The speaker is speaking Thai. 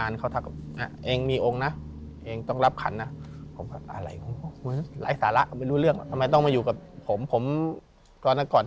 หรือก็เป็นลิงก็เป็น